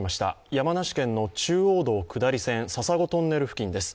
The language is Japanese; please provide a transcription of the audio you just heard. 山梨県の中央道下り線笹子トンネル付近です。